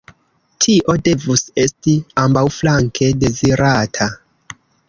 Tio devus esti ambaŭflanke dezirata.